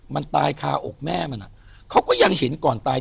มันตายคาอกแม่มันอ่ะเขาก็ยังเห็นก่อนตาย